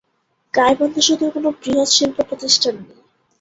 গাইবান্ধা সদরে কোন বৃহৎ শিল্প প্রতিষ্ঠান নেই।